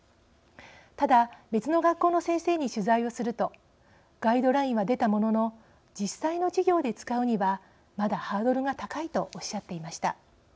ただ別の学校の先生に取材をするとガイドラインは出たものの実際の授業で使うにはまだハードルが高いとおっしゃっていました。